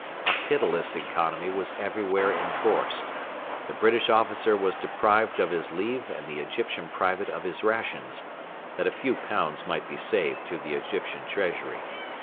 A pitiless economy was everywhere enforced. The British officer was deprived of his leave and the Egyptian private of his rations, that a few pounds might be saved to the Egyptian Treasury.